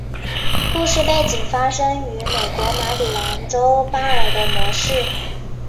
故事背景发生于美国马里兰州巴尔的摩市。